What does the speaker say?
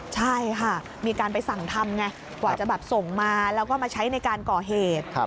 ใช่ค่ะมีการไปสั่งทำไงกว่าจะแบบส่งมาแล้วก็มาใช้ในการก่อเหตุ